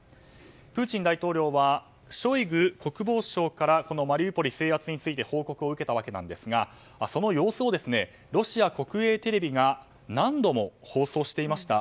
プーチン大統領はショイグ国防相からこのマリウポリ制圧について報告を受けたんですがその様子をロシア国営テレビが何度も放送していました。